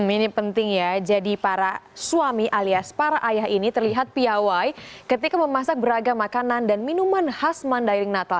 ini penting ya jadi para suami alias para ayah ini terlihat piawai ketika memasak beragam makanan dan minuman khas mandailing natal